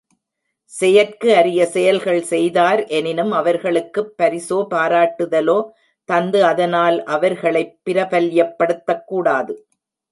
செயற்கு அரிய செயல்கள் செய்தார் எனினும் அவர்களுக்குப் பரிசோ பாராட்டுதலோ தந்து அதனால் அவர்களைப் பிரபல்யப்படுத்தக் கூடாது.